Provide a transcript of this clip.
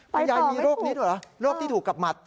คุณยายมีโรคนี้ด้วยเหรอโรคที่ถูกกับหมัด